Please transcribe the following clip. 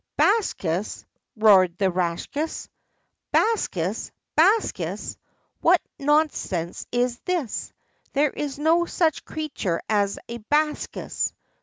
"Bakshas!" roared the Rakshas. "Bakshas! Bakshas! What nonsense is this? There is no such creature as a Bakshas!"